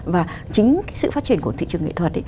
và chính cái sự phát triển của thị trường nghệ thuật ấy